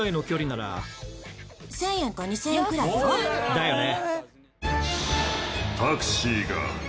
だよね。